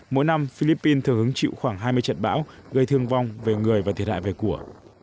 mỗi năm philippines thường hứng chịu khoảng hai mươi trận bão gây thương vong về người và thiệt hại về của